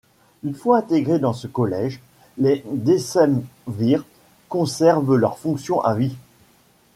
Une fois intégrés dans ce collège, les décemvirs conservent leur fonction à vie.